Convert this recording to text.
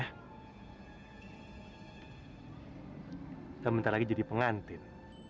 kita bentar lagi jadi pengantin